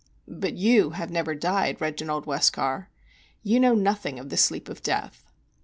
'" "But you have never died, Reginald Westcar. You know nothing of the sleep of death."